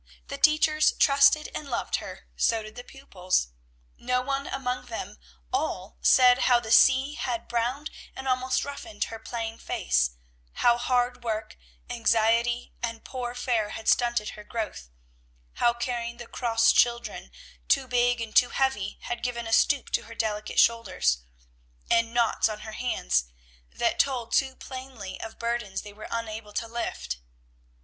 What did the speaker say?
The teachers trusted and loved her, so did the pupils. No one among them all said how the sea had browned and almost roughened her plain face; how hard work, anxiety, and poor fare had stunted her growth; how carrying the cross children, too big and too heavy, had given a stoop to her delicate shoulders, and knots on her hands, that told too plainly of burdens they were unable to lift.